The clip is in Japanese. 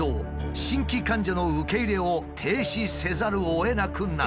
新規患者の受け入れを停止せざるをえなくなった。